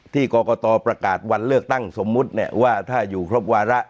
ที่กรกตประกาศวันเลือกตั้งสมมุติเนี่ยว่าถ้าอยู่ครบวาระ